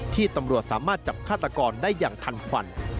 ที่ตำรวจสามารถจับฆาตกรได้อย่างทันควัน